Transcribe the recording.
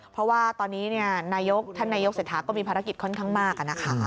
เพราะว่าตอนนี้นายกท่านนายกเศรษฐาก็มีภารกิจค่อนข้างมากนะคะ